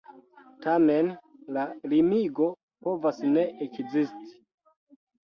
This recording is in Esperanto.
Tamen, la limigo povas ne ekzisti.